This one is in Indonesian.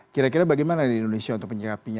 kira kira bagaimana di indonesia untuk menyikapinya